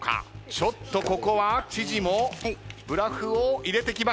ちょっとここは知事もブラフを入れてきました。